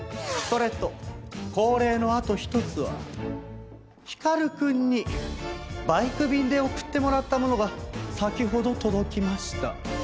それと恒例のあと一つは光くんにバイク便で送ってもらったものが先ほど届きました。